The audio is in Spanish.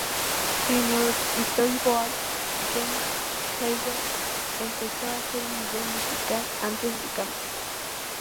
En los storyboards Jamie Hewlett empezó a hacer un vídeo musical antes del cambio.